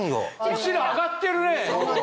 お尻上がってるね！